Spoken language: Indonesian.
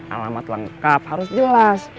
alamat lengkap harus jelas